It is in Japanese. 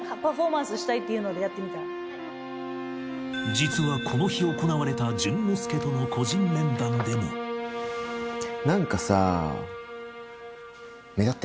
実はこの日行われた淳之介との個人面談でも何かさ。